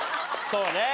そうね。